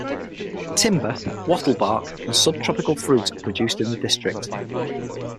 Timber, wattle bark and sub-tropical fruit are produced in the district.